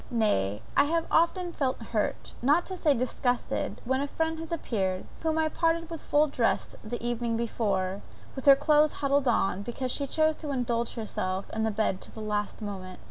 Nay, I have often felt hurt, not to say disgusted, when a friend has appeared, whom I parted with full dressed the evening before, with her clothes huddled on, because she chose to indulge herself in bed till the last moment.